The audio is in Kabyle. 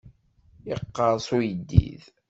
Iqqerṣ uyeddid.